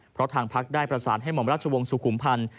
เพราะทางพักได้ประสานให้ห่อมราชวงศ์สุขุมพันธ์